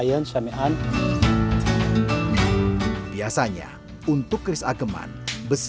dan membuatan budok budok kolonai yang ini